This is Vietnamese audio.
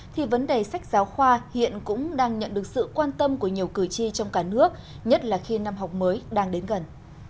thì vấn đề sách giáo khoa hiện cũng đang nhận được sự quan tâm của nhiều cử tri trong cả nước nhất là khi năm học mới đang đến gần